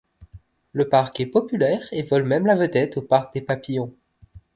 Le parc est populaire et vole même la vedette au parc des papillons.